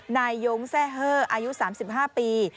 นายยงแซ่เฮอร์อายุ๓๕ปี